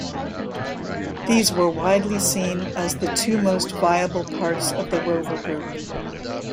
These were widely seen as the two most viable parts of the Rover Group.